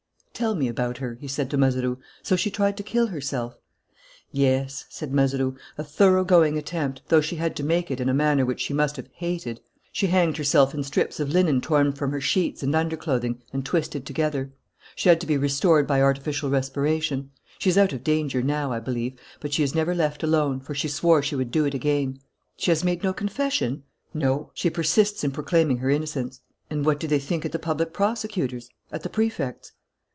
"Tell me about her," he said to Mazeroux. "So she tried to kill herself?" "Yes," said Mazeroux, "a thoroughgoing attempt, though she had to make it in a manner which she must have hated. She hanged herself in strips of linen torn from her sheets and underclothing and twisted together. She had to be restored by artificial respiration. She is out of danger now, I believe, but she is never left alone, for she swore she would do it again." "She has made no confession?" "No. She persists in proclaiming her innocence." "And what do they think at the public prosecutor's? At the Prefect's?"